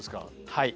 はい。